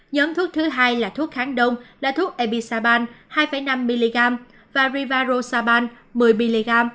nhóm thuốc thứ hai là thuốc kháng đông là thuốc ebisaban hai năm mg và rivarosaban một mươi mg